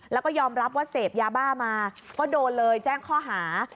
แล้วก็ยอมรับว่าเสพยาบ้ามาก็โดนเลยแจ้งข้อหา